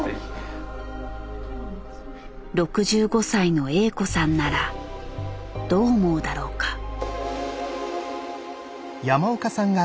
６５歳のＡ子さんならどう思うだろうか。